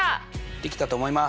できたと思います。